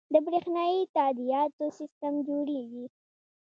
د بریښنایی تادیاتو سیستم جوړیږي